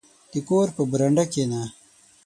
• د کور په برنډه کښېنه.